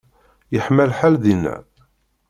Yeḥma lḥal dinna?